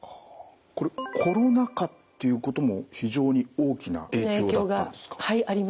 これコロナ禍っていうことも非常に大きな影響があったんですか？